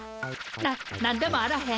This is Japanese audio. な何でもあらへん。